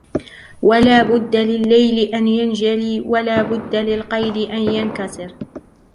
وَلَا بُدَّ لِلَّيْلِ أَنْ يَنْجَلِي وَلَا بُدَّ لِلْقَيْدِ أَنْ يَنْكَسِرْ